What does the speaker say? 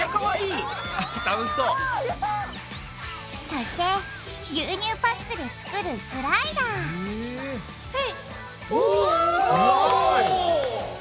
そして牛乳パックで作るグライダーへい！おすごい！